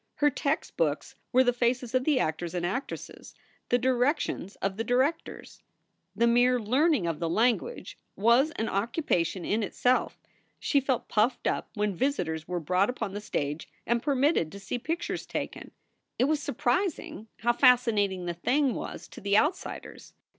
Her textbooks were the faces of the actors and actresses, the directions of the directors. The mere learning of the language was an occupation in SOULS FOR SALE 241 itself. She felt puffed up when visitors were brought upon the stage and permitted to see pictures taken. It was surprising how fascinating the thing was to the outsiders.